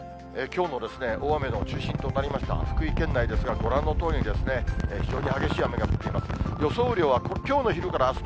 きょうの大雨の中心となりました福井県内ですが、ご覧のとおり、非常に激しい雨が降っています。